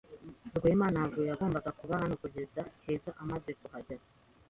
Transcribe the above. Rwema ntabwo yagombaga kuba hano kugeza Keza amaze kuhagera.